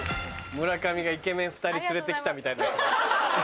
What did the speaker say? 村上がイケメン２人連れて来たみたいな。